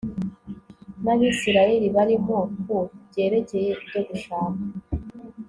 n'abisirayeli barimo, ku byerekeye ibyo gushaka